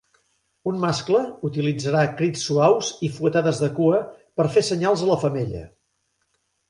Un mascle utilitzarà "crits suaus i fuetades de cua" per fer senyals a la femella.